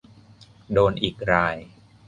โดนอีกราย !